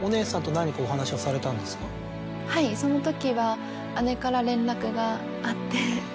はいそのときは姉から連絡があって。